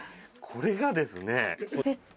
これがですね。